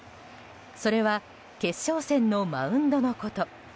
それは決勝戦のマウンドのこと。